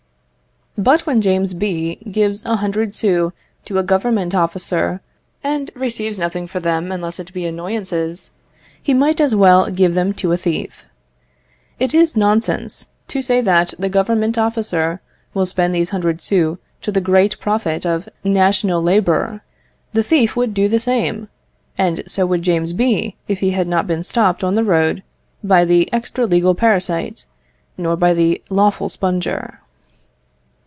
But when James B. gives a hundred sous to a Government officer, and receives nothing for them unless it be annoyances, he might as well give them to a thief. It is nonsense to say that the Government officer will spend these hundred sous to the great profit of national labour; the thief would do the same; and so would James B., if he had not been stopped on the road by the extra legal parasite, nor by the lawful sponger.